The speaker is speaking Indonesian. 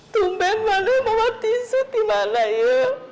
tunggu aku mau bawa tisu dimana ya